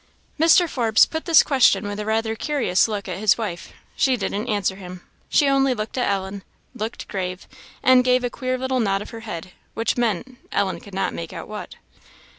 Mr. Forbes put this question with rather a curious look at his wife. She didn't answer him. She only looked at Ellen, looked grave, and gave a queer little nod of her head, which meant, Ellen could not make out what.